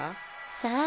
さあ？